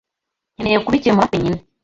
Nkeneye kubikemura wenyine.